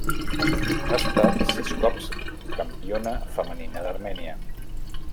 Ha estat sis cops campiona femenina d'Armènia.